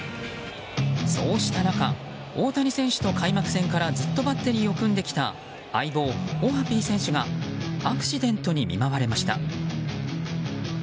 そうした中大谷選手と開幕戦からずっとバッテリーを組んできた相棒オハピー選手がアクシデントに見舞われました。